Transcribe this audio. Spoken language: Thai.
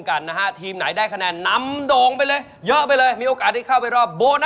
กฎิกานิกาแข่งขันที่เกม